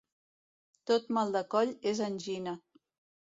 Tot mal de coll és angina.